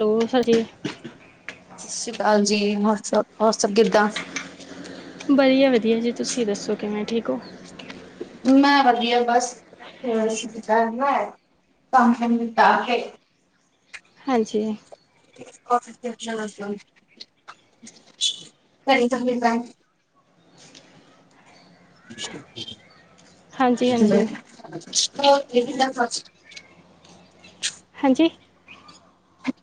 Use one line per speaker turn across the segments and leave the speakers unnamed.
ਦੋਸ਼ ਹਜੇ
ਸਤਿ ਸ਼੍ਰੀ ਅਕਾਲ ਜੀ, ਬਸ ਹੋਰ ਸਭ ਕਿੱਦਾਂ?
ਵਧੀਆ, ਵਧੀਆ ਜੀ ਤੁਸੀਂ ਦੱਸੋ ਕਿਵੇਂ ਠੀਕ ਹੋ?
ਮੈ [inaudible] ਵਧੀਆ ਬੱਸ ਤਾਂ ਕੇ [inaudible]
ਹਾਂਜੀ
ਕ ਤ ਫਰ [inaudible] ਹੈਲੋ
ਹਾਂਜੀ ਹਾਂਜੀ
ਦੇਖਦੇ ਆਂ ਬਸ
ਹਾਂਜੀ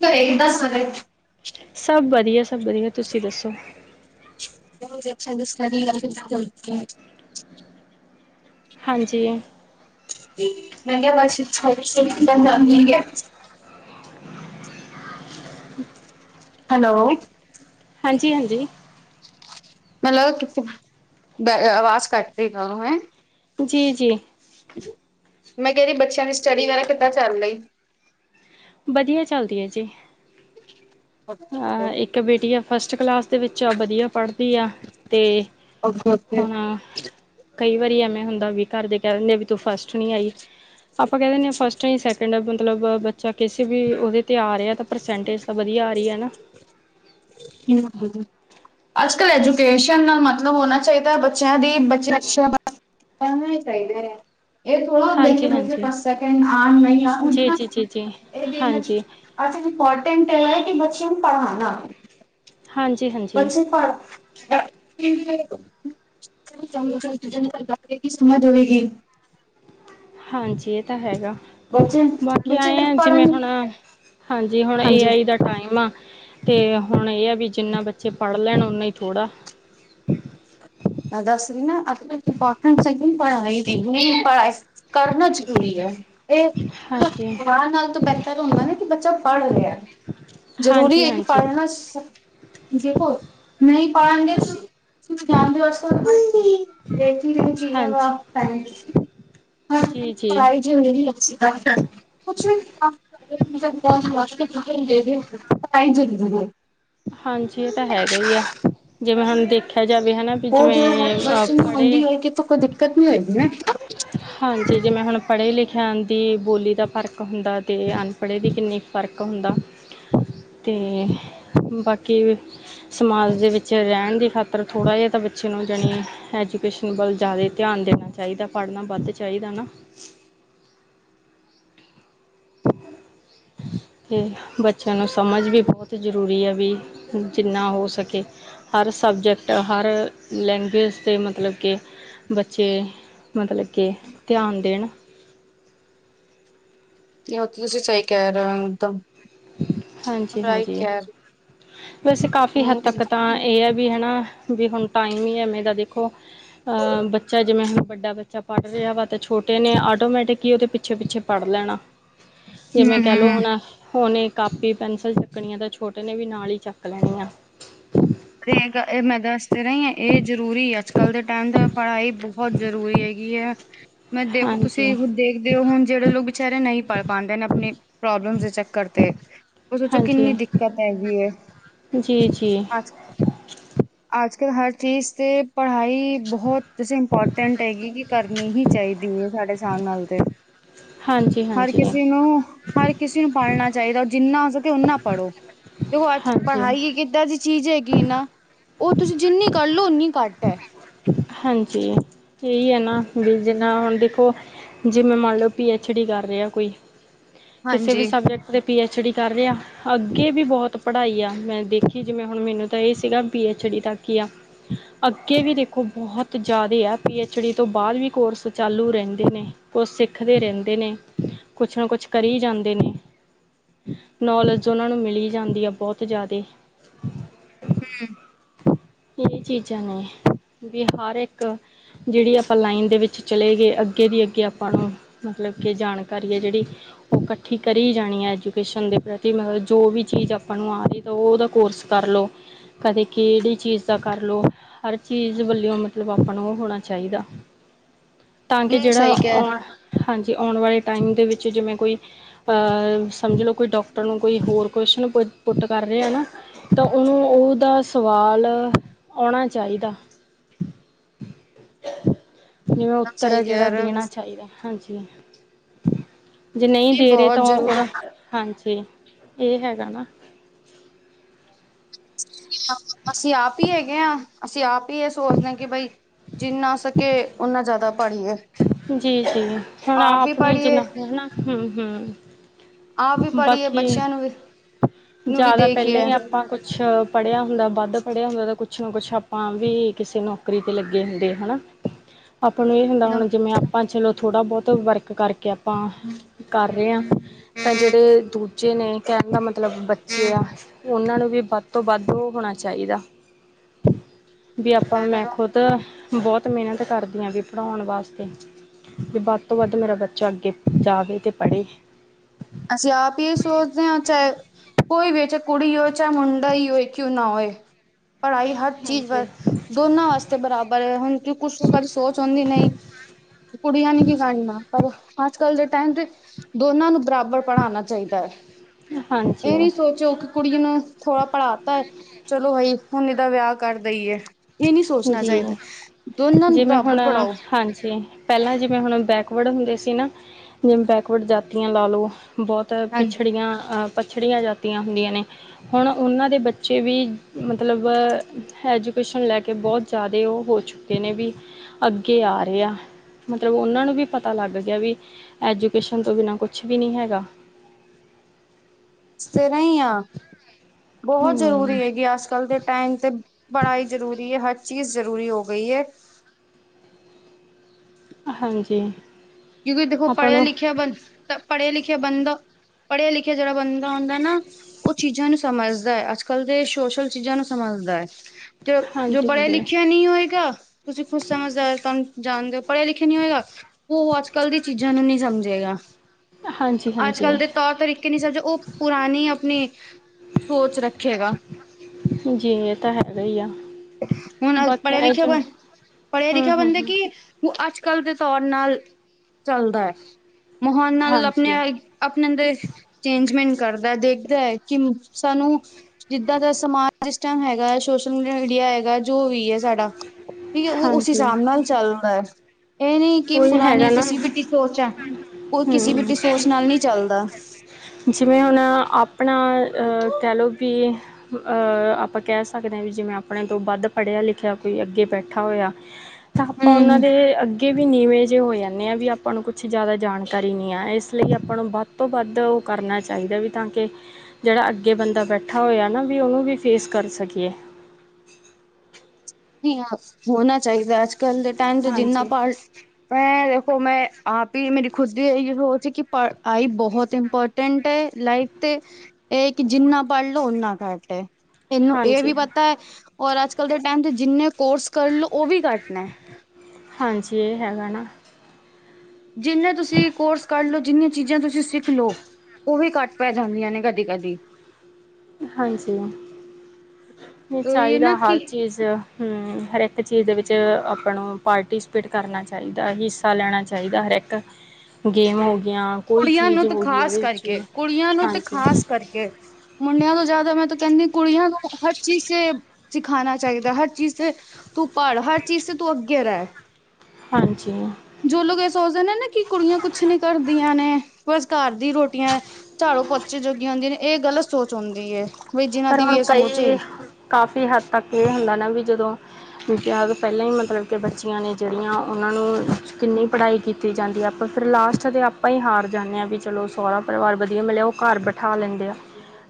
ਘਰੇ ਦਸ ਸਾਰੇ
ਸਭ ਵਧੀਆ, ਸਭ ਵਧੀਆ ਤੁਸੀਂ ਦੱਸੋ?
ਬਹੁਤ ਹੀ ਅੱਛਾ ਸਟਡੀ [inaudible]
ਹਾਂਜੀ
[inaudible] ਹੈਲੋ
ਹਾਂਜੀ, ਹਾਂਜੀ।
ਮਤਲਬ ਆਵਾਜ਼ ਕੱਟ ਰਹੀ ਉਹਨਾਂ ਨੂੰ ਹੈ।
ਜੀ, ਜੀ।
ਮੈਂ ਕਹਿ ਰਹੀ ਬੱਚਿਆਂ ਦੀ ਸਟੱਡੀ ਵਗੈਰਾ ਕਿੱਦਾਂ ਚੱਲ ਰਹੀ।
ਵਧੀਆ ਚੱਲਦੀ ਹੈ ਜੀ। ਹਾਂ ਇੱਕ ਬੇਟੀ ਆ ਫਸਟ ਕਲਾਸ ਦੇ ਵਿੱਚ ਉਹ ਵਧੀਆ ਪੜ੍ਹਦੀ ਆ ਅਤੇ
ਹੋਰ ਫਿਰ।
ਹੁਣ ਕਈ ਵਾਰੀ ਐਵੇਂ ਹੁੰਦਾ ਵੀ। ਘਰ ਦੇ ਕਹਿ ਦਿੰਦੇ ਵੀ ਤੂੰ ਫਸਟ ਨੀ ਆਈ ਆਪਾਂ ਕਹਿ ਦਿੰਦੇ ਹਾਂ ਫਸਟ ਨ ਸੈਕਿੰਡ ਮਤਲਬ ਬੱਚਾ ਕਿਸੇ ਵੀ ਉਹਦੇ ਤੇ ਆ ਰਿਹਾ ਤਾਂ ਪਰਸੈਂਟੇਜ ਤਾਂ ਵਧੀਆ ਆ ਰਹੀ ਹੈ।
ਕੀ [inaudible] ਅੱਜ ਕੱਲ੍ਹ ਐਜੂਕੇਸ਼ਨ ਨਾਲ ਮਤਲਬ ਹੋਣਾ ਚਾਹੀਦਾ ਬੱਚਿਆਂ ਦੀ ਬੱਚੇ ਐਵੇਂ ਚਾਹੀਦੇ ਇਹ ਥੋੜਾ ਹੁੰਦਾ ਕਿ
ਹਾਂਜੀ
ਬੱਚੇ
ਹਾਂਜੀ
ਫਸਟ ਸੈਕਿੰਡ ਆਉਣ ਨਹੀਂ ਆਉਣ।
ਜੀ ਜੀ ਜੀ ਜੀ ਹਾਂਜੀ
ਅੱਜ ਇੰਪੋਰਟੈਂਟ ਇਹ ਹੈ ਕਿ ਬੱਚਿਆਂ ਨੂੰ ਪੜ੍ਹਾਉਣਾ।
ਹਾਂਜੀ ਹਾਂਜੀ
ਬੱਚੇ ਪੜ [inaudible] ਸਮਝ ਹੋਏਗੀ।
ਹਾਂਜੀ ਇਹ ਤਾਂ ਹੈਗਾ
ਬੱਚੇ
ਬਾਕੀ
ਬੱਚੇ
ਆਏ
ਨਹੀਂ
ਆ ਜਿਵੇਂ
ਪੜ੍ਹਨ
ਹੁਣ ਹਾਂਜੀ ਹੁਣ ਏ
ਹਾਂਜੀ
ਆਈ ਦਾ ਟਾਈਮ ਆ ਤੇ ਹੁਣ ਇਹ ਆ ਵੀ ਜਿੰਨਾ ਬੱਚੇ ਪੜ੍ਹ ਲੈਣ ਉਨਾ ਹੀ ਥੋੜ੍ਹਾ
ਮੈਂ ਦੱਸ ਰਹੀ ਨਾ ਅੱਜ ਕੱਲ ਇੰਪੋਰਟੈਂਸ ਹੈਗੀ ਪੜ੍ਹਾਈ ਦੀ ਪੜਾਈ ਕਰਨਾ ਜ਼ਰੂਰੀ ਹੈ। ਇਹ
ਹਾਂਜੀ
ਵਿਹ ਨਾਲ ਤੋਂ ਬਿਹਤਰ ਹੁੰਦਾ ਨਾ ਕਿ ਬੱਚਾ ਪੜ੍ਹ ਰਿਹਾ ਜ਼ਰੂਰੀ
ਹਾਂਜੀ
ਹੈ ਕਿ
ਹਾਂਜੀ
ਪੜ੍ਹਨਾ ਦੇੇਖੋ ਨਹੀਂ ਪੜ੍ਹਨਗੇ ਤੁਸੀਂ ਜਾਣਦੇ ਹੋ।
ਹਾਂਜੀ
[inaudible]
ਜੀ ਜੀ
[inaudible] [inaudible]
ਹਾਂਜੀ ਇਹ ਤਾਂ ਹੈਗਾ ਈ ਆ, ਜਿਵੇਂ ਹੁਣ ਦੇਖਿਆ ਜਾਵੇ ਹਨਾ
ਉਹ ਜਦੋਂ ਵਸ 'ਚ ਹੁੰਦੀ ਹੋਏਗੀ ਤਾਂ ਕੋਈ ਦਿੱਕਤ ਨੀ ਹੋਏਗੀ ਨਾ
ਹਾਂਜੀ, ਜਿਵੇਂ ਹੁਣ ਪੜ੍ਹੇ ਲਿਖਿਆਂ ਦੀ ਬੋਲੀ ਦਾ ਫਰਕ ਹੁੰਦਾ ਤੇ ਅਨ ਪੜ੍ਹੇ ਦੀ ਕਿੰਨੀ ਫਰਕ ਹੁੰਦਾ
[inaudible]
ਤੇ ਬਾਕੀ ਸਮਾਜ ਦੇ ਵਿੱਚ ਰਹਿਣ ਦੀ ਖਾਤਰ ਥੋੜ੍ਹਾ ਜਿਹਾ ਤਾਂ ਬੱਚੇ ਨੂੰ, ਜਾਣੀ ਐਜੂਕੇਸ਼ਨ ਵੱਲ ਜ਼ਾਦਾ ਈ ਧਿਆਨ ਦੇਣਾ ਚਾਈਦਾ, ਪੜ੍ਹਨਾ ਵੱਧ ਚਾਈਦਾ ਨਾ।
[inaudible]
ਤੇ ਬੱਚਿਆਂ ਨੂੰ ਸਮਝ ਵੀ ਬਹੁਤ ਜ਼ਰੂਰੀ ਏ ਵੀ, ਜਿੰਨਾ ਹੋ ਸਕੇ ਹਰ ਸਬਜੈਕਟ, ਹਰ ਲੈਂਗੁਏਜ ਤੇ ਮਤਲਬ ਕਿ ਬੱਚੇ ਮਤਲਬ ਕਿ, ਧਿਆਨ ਦੇਣ
ਨਹੀਂ ਉਹ ਤਾਂ ਤੁਸੀਂ ਸਹੀ ਕਹਿ ਰਹੇ ਓ, ਇਹ ਦਮ।
ਹਾਂਜੀ-ਹਾਂਜੀ। ਵੈਸੇ ਕਾਫ਼ੀ ਹੱਦ ਤੱਕ ਤਾਂ
ਹਮ
ਇਹ ਐ ਵੀ ਹਨਾ, ਵੀ ਹੁਣ ਟਾਈਮ ਈ ਐਵੇਂ ਦਾ ਦੇਖੋ ਅਹ, ਬੱਚਾ ਜਿਵੇਂ ਹੁਣ ਵੱਡਾ ਬੱਚਾ ਪੜ੍ਹ ਰਿਹਾ ਵਾ ਤਾਂ ਛੋਟੇ ਨੇ ਆਟੋਮੈਟਿਕ ਈ ਉਹਦੇ ਪਿੱਛੇ-ਪਿੱਛੇ ਪੜ੍ਹ ਲੈਣਾ, ਜਿਵੇਂ ਕਹਿ ਲਓ ਹੁਣ ਓਹਨੇ ਕਾਪੀ ਪੈਨਸਿਲ ਚੱਕਣੀ ਆ ਤੇ ਛੋਟੇ ਨੇ ਵੀ ਨਾਲ ਈ ਚੱਕ ਲੈਣੀ ਆ
ਫੇਕ ਆ, ਮੈਂ ਦੱਸ ਤੇ ਰਹੀ ਆ ਇਹ ਜ਼ਰੂਰੀ ਅੱਜ-ਕੱਲ੍ਹ ਦੇ ਟੈਮ ਪੜ੍ਹਾਈ ਬਹੁਤ ਜ਼ਰੂਰੀ ਹੈਗੀ ਆ। ਮੈਂ ਦੇਖੋ
ਹਾਂਜੀ
ਤੁਸੀਂ, ਦੇਖਦੇ ਓ ਹੁਣ ਜਿਹੜੇ ਲੋਕ ਬਚਾਰੇ ਨਹੀਂ ਪੜ੍ਹ ਪਾਉਂਦੇ ਨੇ, ਆਪਣੀ ਪ੍ਰੋਬਲਮ ਦੇ ਚੱਕਰ ਤੇ ਉਹ ਸੋਚੋ ਕਿੰਨੀ
ਹਾਂਜੀ
ਦਿੱਕਤ ਹੈਗੀ ਏ,
ਜੀ ਜੀ
ਅੱਜ ਅੱਜ-ਕੱਲ੍ਹ ਹਰ ਚੀਜ਼ ਤੇ ਪੜ੍ਹਾਈ ਬਹੁਤ ਜਸੀਂ ਇੰਪੋਰਟੈਂਟ ਹੈਗੀ ਕਿ ਕਰ ਨਹੀਂ ਚਾਹੀਦੀ ਏ ਸਾਡੇ ਸਾਨ ਨਾਲ ਤੇ
ਹਾਂਜੀ
ਹਰ
ਹਾਂਜੀ
ਕਿਸੇ ਨੂੰ ਹਰ ਕਿਸੇ ਨੂੰ ਪੜ੍ਹਨਾ ਚਾਹੀਦਾ, ਜਿੰਨਾ ਹੋ ਸਕੇ ਓਨਾ ਪੜ੍ਹੋ, ਦੇਖੋ ਅੱਜ
ਹਾਂਜੀ
ਪੜ੍ਹਾਈ ਇਕ ਏਦਾ ਦੀ ਚੀਜ਼ ਹੈਗੀ ਨਾ ਉਹ ਤੁਸੀਂ ਜਿੰਨੀ ਕਰ ਲਓ ਉਨੀ ਘੱਟ ਐ।
ਹਾਂਜੀ, ਇਹੀ ਏ ਨਾ ਵੀ ਜਿਨ੍ਹਾਂ ਹੁਣ ਦੇਖੋ ਜਿਵੇਂ ਮੰਨ ਲੋ ਪੀ ਐਚ ਡੀ ਕਰ ਰਿਹਾ ਕੋਈ, ਕਿਸੇ ਵੀ
ਹਾਂਜੀ
ਸਬਜੈਕਟ ਤੇ ਪੀ ਐੱਚ ਡੀ ਕਰ ਰਿਆ ਅੱਗੇ ਵੀ ਬਹੁਤ ਪੜ੍ਹਾਈ ਆ, ਮੈਂ ਦੇਖੀ ਜਿਵੇਂ ਹੁਣ ਮੈਨੂੰ ਤਾਂ ਇਹ ਸੀਗਾ ਬੀ ਐਚ ਡੀ ਤੱਕ ਹੀ ਆ ਅੱਗੇ ਵੀ ਦੇ ਬਹੁਤ ਜ਼ਾਦੇ ਆ, ਪੀ ਐਚ ਡੀ ਤੋਂ ਬਾਅਦ ਵੀ ਕੋਰਸ ਚਾਲੂ ਰਹਿੰਦੇ ਨੇ, ਕੁ ਸਿੱਖ ਸਿੱਖਦੇ ਰਹਿੰਦੇ ਨੇ, ਕੁਛ ਨਾ ਕੁਛ ਕਰੀ ਜਾਂਦੇ ਨੇ ਨੌਲੇਜ ਉਹਨਾਂ ਨੂੰ ਮਿਲੀ ਜਾਂਦੀ ਏ, ਬਹੁਤ ਜ਼ਿਆਦੇ
ਹੂੰ।
ਇਹੀ ਚੀਜ਼ਾਂ ਨੇ, ਵੀ ਹਰ ਇੱਕ ਜਿਹੜੀ ਆਪਾਂ ਲਾਈਨ ਦੇ ਵਿੱਚ ਚਲੇ ਗਏ, ਅੱਗੇ ਦੀ ਅੱਗੇ ਆਪਾਂ ਨੂੰ ਮਤਲਬ ਕਿ ਜਾਣਕਾਰੀ ਏ ਜਿਹੜੀ ਉਹ ਕੱਠੀ ਕਰੀ ਜਾਣੀ ਐ, ਐਜੂਕੇਸ਼ਨ ਦੇ ਪ੍ਰਤੀ ਮਤਲਬ ਜੋ ਵੀ ਚੀਜ਼ ਆਪਾਂ ਨੂੰ ਆ ਗੀ ਤੇ ਓ ਉਹਦਾ ਕੋਰਸ ਕਰ ਲੋ, ਕਦੇ ਕਿਹੜੀ ਚੀਜ਼ ਦਾ ਕਰ ਲੋ, ਹਰ ਚੀਜ਼ ਦੇ ਵੱਲਿਓ ਮਤਲਬ ਆਪਾਂ ਨੂੰ ਉਹ ਹੋਣਾ ਚਾਈਦਾ ਤਾਂ
ਹਮ
ਕਿ ਜਿਹੜਾ
ਸਹੀ ਕਹਿ
ਅ ਹਾਂਜੀ ਆਓਣ ਵਾਲੇ ਟਾਈਮ ਦੇ ਵਿੱਚ ਜਿਵੇਂ ਕੋਈ ਅ ਸਮਝ ਲਓ ਕੋਈ ਡਾਕਟਰ ਨੂੰ ਕੋਈ ਹੋਰ ਕੁਸ਼ਣ ਪੁੱਟ ਕਰ ਰਿਹਾ ਨਾ ਤਾਂ ਓਹਨੂੰ ਓਹਦਾ ਸਵਾਲ ਆਉਣਾ ਚਾਹੀਦਾ। ਜਿਵੇਂ ਉੱਤਰ ਐ,
ਸਹੀ
ਜਿਹੜਾ
ਕਹਿ ਰਹੇ ਹੋ
ਦੇਣਾ
ਤੁਸੀਂ
ਚਾਹੀਦਾ ਹਾਂਜੀ। ਜੇ ਨਹੀਂ ਦੇ ਰਹੇ ਤਾਂ
ਬਹੁਤ ਜ਼ਰੂਰ
ਓਹਦਾ ਹਾਂਜੀ ਇਹ ਹੈਗਾ ਨਾ।
ਅਸੀਂ ਆਪ ਹੀ ਹੈਗੇ ਆ। ਅਸੀਂ ਆਪ ਹੀ ਇਹ ਸੋਚਦੇ ਹਾਂ ਕਿ ਬਈ ਜਿੰਨਾ ਹੋ ਸਕੇ ਓਨਾ ਜ਼ਿਆਦਾ ਪੜੀਏ।
ਜੀ- ਜੀ ਹੁਣ ਆਪਣੇ ਜਿੰਨਾ ਹੋਆ ਨਾ ਹਮ- ਹਮ
ਆਪ ਵੀ ਪੜ੍ਹੀਏ
ਬਾਕੀ,
ਬੱਚਿਆਂ ਨੂੰ ਵੀ ਨੂੰ ਵੀ
ਜ਼ਿਆਦਾ ਪਹਿਲਾਂ
ਦੇਖੀਏ
ਹੀ ਆਪਾਂ ਕੁਛ ਪੜ੍ਹਿਆ ਹੁੰਦਾ ਵੱਧ ਪੜ੍ਹਿਆ ਹੁੰਦਾ, ਤਾਂ ਕੁਛ ਨਾ ਕੁੱਛ ਆਪਾਂ ਵੀ ਕਿਸੇ ਨੌਕਰੀ ਤੇ ਲੱਗੇ ਹੁੰਦੇ ਹਨਾ। ਆਪਾਂ ਨੂੰ ਇਹ ਹੁੰਦਾ ਹੁਣ, ਜਿਵੇਂ ਆਪਾਂ ਚਲੋ ਥੋੜ੍ਹਾ ਬਹੁਤ ਵਰਕ ਕਰਕੇ ਆਪਾਂ ਕਰ ਰਹੇ ਆ। ਤਾਂ ਜਿਹੜੇ ਦੂਜੇ ਨੇ ਕਹਿਣ ਦਾ ਮਤਲਬ ਬੱਚੇ ਆ ਓਹਨਾਂ ਨੂੰ ਵੀ ਵੱਧ ਤੋਂ ਵੱਧ ਉਹ ਹੋਣਾ ਚਾਹੀਦਾ।
[inaudible]
ਵੀ ਆਪਾਂ ਮੈਂ ਖੁਦੰ ਬਹੁਤ ਮਿਹਨਤ ਕਰਦੀ ਆ ਵੀ ਪੜ੍ਹਾਉਣ ਵਾਸਤੇ। ਵੀ ਵੱਧ ਤੋਂ ਵੱਧ ਮੇਰਾ ਬੱਚਾ ਅੱਗੇ ਜਾਵੇ ਤੇ ਪੜ੍ਹੇ।
ਅਸੀਂ ਆਪ ਹੀ ਐ ਸੋਚਦੇ ਹਾਂ ਚਾਹੇ ਕੋਈ ਵੀ ਹੋ ਚੇ ਕੁੜੀ ਹੋਏ ਚਾਹੇ ਮੁੰਡਾ ਹੋਏ ਕਿਓ ਨਾ ਹੋਏ ਪੜ੍ਹਾਈ ਹਰ ਚੀਜ਼ ਵ
ਹਾਂਜੀ
ਦੋਨਾਂ ਵਾਸਤੇ ਬਰਾਬਰ ਹੁਣ ਤੇ ਕੁਛ ਲੈਕਾ ਦੀ ਸੋਚ ਆਉਂਦੀ ਨਹੀਂ ਕੁੜੀਆਂ ਨੀ ਕੀ ਕਰਨਾ ਪਰ ਅੱਜ- ਕੱਲ ਦੇ ਟਾਈਮ ਤੇ ਦੋਨਾਂ ਨੂੰ ਬਰਾਬਰ ਪੜ੍ਹਾਣਾ ਚਾਹੀਦਾ ਐ
ਹਾਂਜੀ
ਇਹ ਨਹੀ ਸੋਚਣਾ ਚੋ ਕਿ ਕੁੜੀ ਨੂੰ ਥੋੜਾ ਪੜ੍ਹਾ ਤਾਂ ਚਲੋ ਬਾਈ ਹੁਣ ਇਹਦਾ ਵਿਆਹ ਕਰ ਦਈਏ। ਇਹ ਨਹੀਂ ਸੋਚਣਾ ਚਾਹੀਦਾ
ਜੀ
ਦੋਨਾਂ ਨੂੰ
ਜਿਵੇਂ ਹੁਣ
ਬਰਾਬਰ ਪੜ੍ਹਾਓ।
ਹਾਂਜੀ। ਪਹਿਲਾਂ ਜਿਵੇਂ ਹੁਣ ਬੈਕਵਰਡ ਹੁੰਦੇ ਸੀ, ਨਾ ਜਿਵੇਂ ਬੈਕਵਰਡ ਜਾਤੀਆਂ ਲਾ ਲਉ ਬਹੁਤ
ਹਾਂਜੀ
ਪਿਛੜੀਆਂ ਅਹ ਪੱਛੜੀਆਂ ਜਾਤੀਆਂ ਹੁੰਦੀਆਂ ਨੇ। ਹੁਣ ਉਹਨਾਂ ਦੇ ਬੱਚੇ ਵੀ ਮਤਲਬ ਐਜੂ ਐਜੂਸ਼ਨ ਲੈ ਕੇ ਬਹੁਤ ਜ਼ਿਆਦਾ ਉਹ ਹੋ ਚੁੱਕੇ ਨੇ ਵੀ ਅੱਗੇ ਆ ਰਹੇ ਆ। ਮਤਲਬ ਉਹਨਾਂ ਨੂੰ ਵੀ ਪਤਾ ਲੱਗ ਗਿਆ ਵੀ ਐਜੂਕੇਸ਼ਨ ਤੋਂ ਬਿਨਾਂ ਕੁਛ ਵੀ ਨਹੀਂ ਹੈ ਗਾ।
ਇਸ ਤਰਾਂ ਹੀ ਆਂ ਬਹੁਤ
ਹਮ
ਜ਼ਰੂਰੀ ਹੈਗੀ ਆ ਅਜ ਕੱਲ ਦੇ ਟਾਈਮ ਤੇ ਪੜਾਈ ਜ਼ਰੂਰੀ ਐ, ਹਰ ਚੀਜ਼ ਜ਼ਰੂਰੀ ਹੋ ਗਈ ਐ।
ਹਾਂਜੀ।
ਕਿਉਂਕਿ ਦੇਖੋ
ਆਪਾਂ
ਪੜ੍ਹਿਆ
ਨੂੰ
ਲਿਖੇ ਬੰਦਾ ਪੜ੍ਹੇ ਲਿਖੇ ਬੰਦਾ ਪੜ੍ਹਿਆ- ਲਿਖਿਆ ਜਿਹੜਾ ਬੰਦਾ ਹੁੰਦਾ ਨਾ ਉਹ ਚੀਜ਼ਾਂ ਨੂੰ ਸਮਝਦਾ ਐ, ਅੱਜ ਕਲ ਦੇ ਸੋਸ਼ਲ ਚੀਜ਼ਾਂ ਨੂੰ ਸਮਝਦਾ ਐ। ਜੋ
ਹਾਂਜੀ
ਪੜ੍ਹਿਆ
ਹਾਂਜੀ
ਲਿਖਿਆ ਨਹੀਂ ਹੋਏਗਾ ਤੁਸੀਂ ਖੁਦ ਸਮਝਦਾਰ ਹੋ, ਤੁਹਾਨੂੰ ਜਾਣਦੇ ਹੋ ਪੜ੍ਹਿਆ ਲਿਖੇ ਨੀ ਹੋਏਗਾ ਉਹ ਅੱਜ ਕੱਲ ਦੀ ਚੀਜ਼ਾਂ ਨੂੰ ਨਹੀ‌ ਸਮਝੇਗਾ।
ਹਾਂਜੀ
ਅੱਜ ਕੱਲ੍ਹ ਦੇ
ਹਾਂਜੀ
ਤੌਰ ਤਰੀਕੇ ਨੀ ਸਮਝੋ ਉਹ ਪੁਰਾਣੇ ਆਪਣੇ ਸੋਚ ਰੱਖੇਗਾ।
ਜੀ ਇਹ ਤਾਂ ਹੈਗਾ ਹੀ ਆ।
ਹੁਣ ਅ
ਬਾਕੀ
ਪੜ੍ਹਿਆ
ਐ
ਲਿਖਿਆ
ਜਿਵੇਂ
ਬੰਦਾ, ਪੜ੍ਹਿਆ
ਹੂੰ
ਲਿਖਿਆ
ਹੂੰ
ਬੰਦੇ
ਹੂੰ
ਕਿ ਉਹ ਅੱਜ ਕੱਲ੍ਹ ਦੇ ਤੌਰ ਨਾਲ ਚੱਲਦਾ ਐ, ਮੂਹਾਨ ਨਾਲ ਆਪਣੇ
ਹਾਂਜੀ
ਆਪਣੇ ਅ ਦੇ ਚੇਂਜਮੈਂਟ ਕਰਦਾ ਦੇਖਦਾ ਐ ਕਿ ਸਾਨੂੰ ਜਿੱਦਾਂ ਦਾ ਸਮਾਜ ਇਸ ਟਾਈਮ ਹੈਗਾ ਹੈ ਸੋਸ਼ਲ ਮੀਡੀਆ। ਮੀਡੀਆ ਹੈਗਾ ਜੋ ਵੀ ਹੈ, ਸਾਡਾ ਠੀਕ ਹੈ ਉਹ ਉਸ
ਹਾਂਜੀ
ਹਿਸਾਬ ਨਾਲ ਚੱਲਦਾ ਹੈ ਇਹ ਨੀ। ਕਿ
ਉਹੀ
ਪੁਰਾਣੀ
ਹੈਗਾ ਨਾ
ਘਿਸੀ ਪਿਟੀ ਸੋਚ ਹੈ ਉਹ ਘਿਸੀ
ਹੂੰ
ਪਿਟੀ ਸੋਚ ਨਾਲ ਨਹੀਂ ਚੱਲਦਾ।
ਜਿਵੇਂ ਹੁਣ ਆਪਣਾ ਕਹਿ ਲਓ ਵੀ ਆਪਾਂ ਕਹਿ ਸਕਦੇ ਹਾਂ ਵੀ ਜਿਵੇਂ ਆਪਣੇ ਤੋਂ ਵੱਧ ਪੜ੍ਹਿਆ ਲਿਖਿਆ ਕੋਈ ਅੱਗੇ ਬੈਠਾ ਹੋਇਆ।
[unintelligible]
ਤਾਂ ਆਪਾਂ ਉਹਨਾਂ ਦੇ ਅੱਗੇ ਵੀ ਨੀਵੇਂ ਜਿਹੇ ਹੋ ਜਾਂਦੇ ਹਾਂ ਵੀ ਆਪਾਂ ਨੂੰ ਕੁਛ ਜ਼ਿਆਦਾ ਜਾਣਕਾਰੀ ਨਹੀਂ ਆ ਇਸ ਲਈ ਆਪਾਂ ਨੂੰ ਵੱਧ ਤੋਂ ਵੱਧ ਕਰਨਾ ਚਾਹੀਦਾ ਵੀ ਤਾਂ ਕਿ ਜਿਹੜਾ ਅੱਗੇ ਬੰਦਾ ਬੈਠਾ ਹੋਇਆ ਨਾ ਵੀ ਉਹ ਨੂੰ ਵੀ ਫੇਸ ਕਰ ਸਕੀਏ।
ਨਹੀਂ ਹੋਣਾ ਚਾਹੀਦਾ ਅੱਜ ਕੱਲ੍ਹ ਦੇ ਟਾਈਮ ਤੇ ਜਿੰਨਾ
ਹਾਂਜੀ
ਪੜ ਮੈਂ ਦੇਖੋ ਮੈਂ ਆਪ ਹੀ ਮੇਰੀ ਖੁਦ ਦੀ ਇਹੀ ਸੋਚ ਹੈ ਕਿ ਪੜ੍ਹਾਈ ਬਹੁਤ ਇੰਪੋਰਟੈਂਟ ਇਮਪੋਰਟੈਂਟ ਹੈ ਲਾਈਫ ਤੇ ਇਹ ਕਿ ਜਿੰਨਾ ਪੜ ਲਉ ਓਨਾ ਘੱਟ ਐ। ਇਹਨੂੰ ਇਹ ਵੀ
ਹਾਂਜੀ
ਪਤਾ ਹੈ ਔਰ ਅੱਜ ਕੱਲ੍ਹ ਦੇ ਟਾਈਮ ਤੇ ਜਿੰਨੇ ਕੋਰਸ ਕਰ ਲਓ ਉਹ ਵੀ ਘੱਟ ਨੇ।
ਹਾਂਜੀ ਇਹ ਹੈਗਾ ਨਾ।
ਜਿੰਨੇ ਤੁਸੀਂ ਕੋਰਸ ਕਰ ਲਓ ਜਿੰਨੀ ਚੀਜ਼ਾਂ ਤੁਸੀਂ ਸਿੱਖ ਲਓ ਉਹ ਵੀ ਘੱਟ ਪੈ ਜਾਂਦੀਆਂ ਨੇ ਕਦੀ ਕਦੀ
ਹਾਂਜੀ ਮੈਮ ਨਹੀਂ
ਤੇ ਇਹ
ਚਾਹੀਦਾ
ਨਾ
ਹਰ
ਕਿ
ਚੀਜ਼ ਹਰ ਇੱਕ ਚੀਜ਼ ਦੇ ਵਿੱਚ ਆਪਣਾ ਪਾਰਟੀਸਪੇਟ ਕਰਨਾ ਚਾਹੀਦਾ ਹਿ ਹਿਸਾ ਲੈਣਾ ਚਾਹੀਦਾ ਹਰ ਇੱਕ ਗੇਮ ਹੋ ਗਈਆਂ ਕੋਈ
ਕੁੜੀਆਂ
ਚੀਜ਼
ਨੂੰ ਤੇ
ਹੋ ਗਈ
ਖ਼ਾਸ
ਉਹਦੇ ਵਿੱਚ
ਕਰਕੇ ਕੁੜੀਆਂ ਨੂੰ ਤੇ
ਹਾਂਜੀ
ਖ਼ਾਸ ਕਰਕੇ ਮੁੰਡਿਆਂ ਤੋਂ ਜਿਆਦਾ ਮੈਂ ਤਾਂ ਕਹਿੰਦੀ ਕੁੜੀਆਂ ਨੂੰ ਹਰ ਚੀਜ ਚ ਸਿਖਾਉਣਾ ਚਾਹੀਦਾ ਹਰ ਚੀਜ਼ ਤੇ ਤੂੰ ਪੜ ਹਰ ਚੀਜ਼ ਤੇ ਤੂੰ ਅੱਗੇ ਰਹਿ।
ਹਾਂਜੀ
ਜੋ ਲੋਕ ਇਹ ਸੋਚਦੇ ਨੇ ਨਾ ਕਿ ਕੁੜੀਆਂ ਕੁਛ ਨੀ ਕਰਦੀਆਂ ਨੇ ਬਸ ਘਰ ਦੀ ਰੋਟੀਆਂ ਝਾੜੂ ਪੋਚੇ ਜੋਗੀ ਹੁੰਦੀਆਂ ਨੇ ਇਹ ਗ਼ਲਤ ਸੋਚ ਹੁੰਦੀ ਹੈ ਬਈ ਜਿਹਨਾਂ ਦੀ ਵੀ ਇਹ ਸੋਚ ਹੈਗੀ।
ਕਾਫ਼ੀ ਹੱਦ ਤੱਕ ਇਹ ਹੁੰਦਾ ਨਾ ਵੀ ਜਦੋਂ ਮੈ ਕਿਹਾ ਪਹਿਲਾਂ ਹੀ ਮਤਲਬ ਕਿ ਬੱਚੀਆਂ ਨੇ ਜਿਹੜੀਆਂ ਉਹਨਾਂ ਨੂੰ ਕਿੰਨੀ ਪੜ੍ਹਾਈ ਕੀਤੀ ਜਾਂਦੀ ਹੈ ਆਪਾਂ ਫਿਰ ਲਾਸਟ ਦੇ ਆਪਾਂ ਹੀ ਹਾਰ ਜਾਂਦੇ ਹਾਂ ਵੀ ਚਲੋ ਸੋਹਰਾ ਪਰਿਵਾਰ ਵਧੀਆ ਮਿਲਿਆ ਉਹ ਘਰ ਬਠ ਉਠਾ ਲੈਂਦੇ ਆ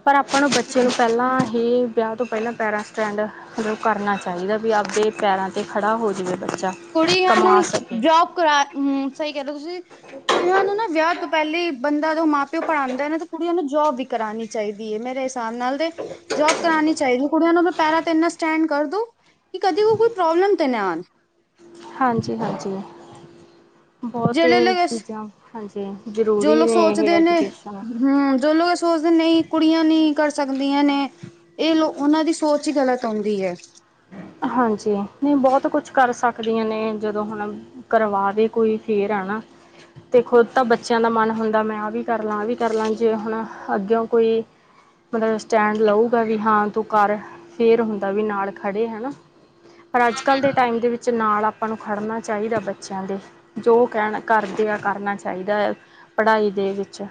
ਪਰ ਆਪਾਂ ਨੂੰ ਬੱਚੇ ਨੂੰ ਪਹਿਲਾਂ ਹੀ ਵਿਆਹ ਤੋਂ ਪਹਿਲਾਂ ਪੈਰਾ ਸਟੈਂਡ ਮਤਲਬ ਕਰਨਾ ਚਾਹੀਦਾ ਵੀ ਆਪਦੇ ਪੈਰਾਂ ਤੇ ਖੜਾ ਹੋ ਜਾਵੇ ਬੱਚਾ
ਕੁੜੀਆਂ
ਕਮਾ
ਨੂੰ
ਸਕੇ
ਜੋਬ ਕਰਾ ਸਹੀ ਕਹੀ ਰਹੇ ਤੁਸੀਂ ਕੁੜੀਆਂ ਨੂੰ ਨਾ ਵਿਆਹ ਤੋਂ ਪਹਿਲੇ ਹੀ ਬੰਦਾ ਜਦੋਂ ਮਾਂ ਪਿਓ ਪੜ੍ਹਾਉਂਦਾ ਨਾ ਤੇ ਕੁੜੀਆਂ ਨੂੰ ਜੋਬ ਵੀ ਕਰਾਣੀ ਚਾਹੀਦੀ ਹੈਏ ਮੇਰਾ ਇਸ ਹਿਸਾਬ ਨਾਲ ਦੇ ਜੋਬ ਕਰਾਣੀ ਚਾਹੀਦੀ ਕੁੜੀਆਂ ਨੂੰ ਪੈਰਾਂ ਤੇ ਇੰਨਾ ਸਟੈਂਡ ਕਰ ਦੋ ਕਿ ਕਦੇ ਉਹ ਕੋਈ ਪ੍ਰੋਬਲਮ ਤੇ ਨ ਆਉਣ
ਹਾਂਜੀ- ਹਾਂਜੀ। ਬਹੁਤ
ਜਿਹੜੇ
ਇਹ
ਲੋਕ
ਚੀਜ਼ਾਂ ਹਾਂਜੀ
ਜੋ
ਜ਼ਰੂਰੀ
ਲੋਕ
ਨੇ ਇਹ
ਸੋਚਦੇ ਨੇ
ਐਜੂਕੇਸ਼ਨ
ਹਮ ਜੋ ਲੋਕ ਸੋਚਦੇ ਨਹੀਂ ਕੁੜੀਆਂ ਨਹੀਂ ਕਰ ਸਕਦੀਆਂ ਨੇ ਇਹ ਲੋਕ ਉਹਨਾਂ ਦੀ ਸੋਚ ਹੀ ਗ਼ਲਤ ਹੁੰਦੀ ਹੈ।
ਹਾਂਜੀ ਨਹੀਂ ਬਹੁਤ ਕੁਛ ਕਰ ਸਕਦੀਆਂ ਨੇ ਜਦੋਂ ਹੁਣ ਕਰਵਾ ਦੇ ਕੋਈ ਫੇਰ ਹੈ ਨਾ ਤੇ ਖੁਦ ਤਾਂ ਬੱਚਿਆਂ ਦਾ ਮਨ ਹੁੰਦਾ ਮੈਂ ਆਹ ਵੀ ਕਰ ਲਾਂ ਆਹ ਵੀ ਕਰ ਲਾਂ ਜੇ ਹੁਣ ਅੱਗੇਓ ਕੋਈ ਮਤਲਬ ਸਟੈਂਡ ਲਊਗਾ ਵੀ ਹਾਂ ਤੂੰ ਕਰ ਫੇਰ ਹੁੰਦਾ ਵੀ ਨਾਲ ਖੜੇ ਹੈ ਨਾ। ਪਰ ਅੱਜ ਕੱਲ੍ਹ ਦੇ ਟਾਈਮ ਦੇ ਵਿੱਚ ਨਾਲ ਆਪਾਂ ਨੂੰ ਖੜ੍ਹਨਾ ਚਾਹੀਦਾ ਬੱਚਿਆਂ ਦੇ ਜੋ ਕਹਿਣ ਕਰਦੇ ਆ ਕਰਨਾ ਚਾਹੀਦਾ ਹੈ ਪੜ੍ਹਾਈ ਦੇ ਵਿੱਚ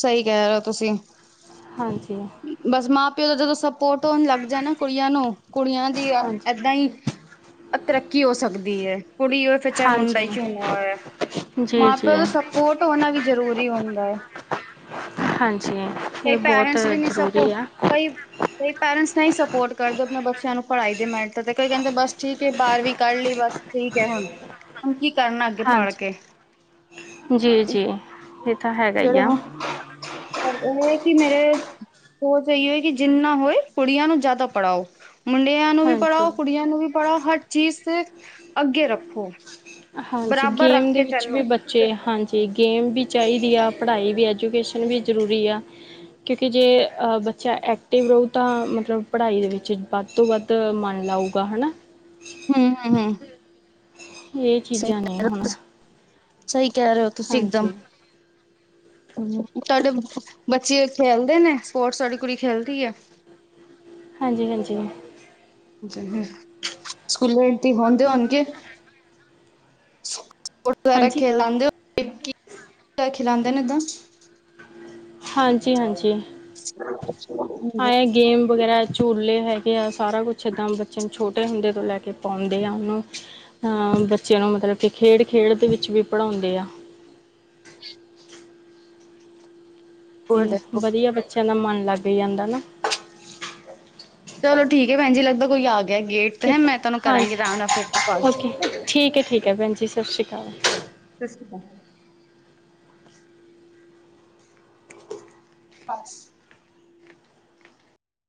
ਸਹੀ ਕਹਿ ਰਹੇ ਹੋ ਤੁਸੀਂ
ਹਾਂਜੀ
ਬਸ ਮਾਂ ਪਿਓ ਦਾ ਜਦੋਂ ਸਪੋਰਟ ਹੋਣ ਲੱਗ ਜਾ ਨਾ ਕੁੜੀਆਂ ਨੂੰ ਕੁੜੀਆਂ ਦੀ
ਹਾਂਜੀ
ਏਦਾਂ ਹੀ, ਤਰੱਕੀ ਹੋ ਸਕਦੀ ਹੈ ਕੁੜੀ ਹੋਏ ਫਿਰ ਚਾਹੇ ਮੁੰਡਾ
ਹਾਂਜੀ
ਹੀ ਚੰਗਾ ਹੋ ਏ,
ਜੀ
ਮਾਂ
ਜੀ
ਪਿਓ ਤਾਂ ਸਭ ਸਪੋਟ ਹੋਣਾ ਵੀ ਜ਼ਰੂਰੀ ਹੁੰਦਾ ਹੈ
ਹਾਂਜੀ ਇਹ
ਕਈ
ਬਹੁਤ
ਪੇਰੈਂਟਸ ਵੀ ਨਹੀਂ ਸਪੋ
ਜ਼ਰੂਰੀ ਆ
ਕਈ ਕਈ ਪੇਰੈਂਟਸ ਨਹੀਂ ਸਪੋਰਟ ਕਰਦੇ ਆਪਣੇ ਬੱਚਿਆਂ ਨੂੰ ਪੜ੍ਹਾਈ ਦੇ ਮੈਟਰ ਤੇ, ਕਈ ਕਹਿੰਦੇ ਬਸ ਠੀਕ ਹੈ ਬਾਰਵੀਂ ਕਰ ਲਈ ਬਸ। ਠੀਕ ਹੈ ਹੁਣ ਹੁਣ ਕੀ ਕਰਨਾ ਅੱਗੇ ਪੜ੍ਰ
ਹਾਂਜੀ
ਕੇ।
ਜੀ ਜੀ ਇਹ ਤਾਂ ਹੈਗਾ ਈ ਐ।
ਪਰ ਇਹ ਹੈ ਕਿ ਮੇਰੇ। ਸੋਚ ਇਹੀ ਹੈ ਕਿ ਜਿੰਨਾ ਹੋਏ, ਕੁੜੀਆਂ ਨੂੰ ਜ਼ਿਆਦਾ ਪੜ੍ਹਾਓ। ਮੁੰਡਿਆਂ ਨੂੰ ਵੀ
ਹਾਂਜੀ
ਪੜ੍ਹਾਓ, ਕੁੜੀਆਂ ਨੂੰ ਵੀ ਪੜ੍ਹਾਓ, ਹਰ ਚੀਜ਼ ਤੇ ਅੱਗੇ ਰੱਖੋ।
ਹਾਂਜੀ
ਬਰਾਬਰ
ਗੇਮ
ਰੱਖ
ਦੇ
ਕੇ
ਵਿੱਚ
ਚੱਲੋ
ਵੀ ਬ ਬੱਚੇ ਹਾਂਜੀ ਗੇਮ ਵੀ ਚਾਹੀਦੀ ਆ, ਪੜ੍ਹਾਈ ਵੀ ਐਜੂਕੇਸ਼ਨ ਵੀ ਜ਼ਰੂਰੀ ਆ‌। ਕਿਉਂਕਿ ਜੇ ਅਹ ਬੱਚਾ ਐਕਟਿਵ ਰਹੁ ਤਾਂ ਮਤਲਬ ਪੜ੍ਹਾਈ ਦੇ ਵਿੱਚ ਵੱਧ ਤੋਂ ਵੱਧ। ਤੇ ਮੰਨ ਲਊਗਾ ਹੈਨਾ।
ਹੂ ਹੂ ਹੂ
ਇਹ
ਸਹੀ
ਚੀਜ਼ਾਂ ਨੇ
ਕਹਿ ਰਹੇ
ਹੁਣ
ਹੋ, ਸਹੀ ਕਹਿ ਰਹੇ ਹੋ, ਤੁਸੀਂ
ਹਾਂਜੀ
ਇਕਦਮ। ਹੂੰ ਤੁਹਾਡੇ ਬੱਚੇ ਖੇਲਦੇ ਨੇ, ਸਪੋਰਟਸ ਤੁਹਾਡੀ ਕੁੜੀ ਖੇਲਦੀ ਹੈ।
ਹਾਂਜੀ ਹਾਂਜੀ।
ਸਕੂਲੇ ਇਲਤੀ ਹੋਣਗੇ। ਸਪੋਰਟ ਵਗੈਰਾ
ਹਾਂਜੀ
ਖੇਲਦੇ ਔ, ਖਲਾਉਦੇ ਨੇ ਏਦਾਂ।
ਹਾਂਜੀ ਹਾਂਜੀ।
ਹੂੰ।
ਹਾਂ ਇਹ
[inaudible]
ਗੇਮ ਵਗੈਰਾ। ਝੂਲੇ ਹੈਗੇ ਆ ਸਾਰਾ ਕੁਛ ਇੱਦਾਂ ਬੱਚੇ ਨੂੰ ਛੋਟੇ ਹੁੰਦੇ ਤੋਂ ਲੈ ਕੇ ਪਾਉਂਦੇ ਆ ਉਹਨੂੰ। ਤਾਂ ਬੱਚਿਆਂ ਨੂੰ ਮਤਲਬ ਕਿ ਖੇਡ ਖੇਡ ਦੇ ਵਿੱਚ ਵੀ ਪੜ੍ਹਾਉਂਦੇ ਆ।
ਗੁਡ
ਹੂ ਵਧੀਆ ਬੱਚਿਆਂ ਦਾ ਮਨ ਲੱਗ ਜਾਂਦਾ ਨਾ।
ਚਲੋ ਠੀਕ ਹੈ ਭੈਣ ਜੀ ਲੱਗਦਾ ਕੋਈ ਆ ਗਿਆ ਗੇਟ ਤੇ ਹੈ,
ਠੀਕ
ਮੈਂ ਤੁਹਾਨੂੰ ਕਰਾਂਗੀ ਆਰਾਮ
ਹਾਂਜੀ
ਨਾਲ ਫਿਰ ਕਾਲ
ਓਕੇ
ਠੀਕ ਹੈ।
ਠੀਕ ਹੈ ਠੀਕ ਹੈ ਭੈਣ ਜੀ ਸਤਿ ਸ਼੍ਰੀ ਅਕਾਲ।
ਸਤਿ ਸ਼੍ਰੀ ਅਕਾਲ। ਅੱਛਾ।